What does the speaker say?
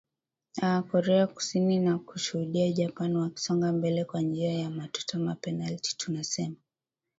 aa korea kusini na kushudia japan wakisonga mbele kwa njia ya matuta mapenalti tunasema